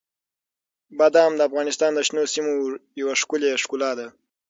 بادام د افغانستان د شنو سیمو یوه ښکلې ښکلا ده.